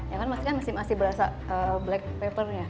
ya kan masih berasa black pepper nya